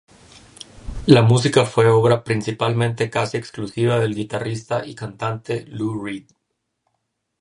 La música fue obra principalmente casi exclusiva del guitarrista y cantante Lou Reed.